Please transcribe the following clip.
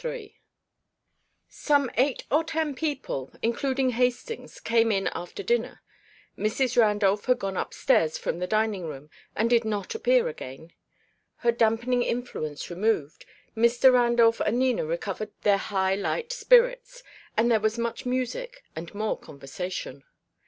III Some eight or ten people, including Hastings, came in after dinner. Mrs. Randolph had gone upstairs from the dining room, and did not appear again. Her dampening influence removed, Mr. Randolph and Nina recovered their high light spirits; and there was much music and more conversation.